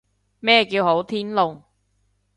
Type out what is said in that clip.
咩叫好天龍？